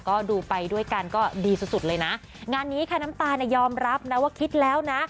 ก็ดูไปด้วยกันก็ดีสุดสุดเลยนะงานนี้ค่ะน้ำตาลเนี่ยยอมรับนะว่าคิดแล้วนะ